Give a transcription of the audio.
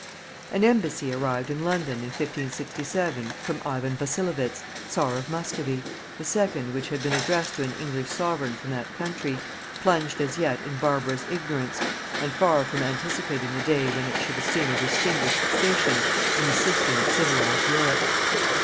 An embassy arrived in London in 1567, from Ivan Basilowitz czar of Muscovy, the second which had been addressed to an English sovereign from that country, plunged as yet in barbarous ignorance, and far from anticipating the day when it should assume a distinguished station in the system of civilized Europe.